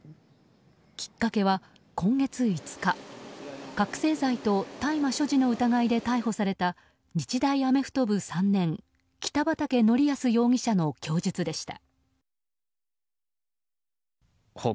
きっかけは今月５日覚醒剤と大麻所持の疑いで逮捕された日大アメフト部３年北畠成文容疑者の供述でした。